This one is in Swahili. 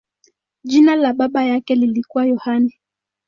Jina la baba yake lilikuwa Yohane.